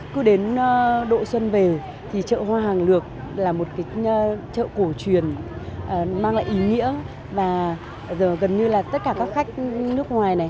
cứ đến độ xuân về thì chợ hoa hàng lược là một chợ cổ truyền mang lại ý nghĩa và gần như là tất cả các khách nước ngoài này